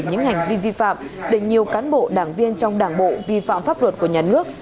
những hành vi vi phạm để nhiều cán bộ đảng viên trong đảng bộ vi phạm pháp luật của nhà nước